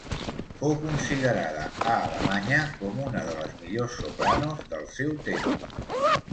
Fou considerada a Alemanya com una de les millors sopranos del seu temps.